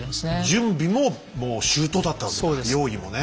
準備ももう周到だったわけか用意もね。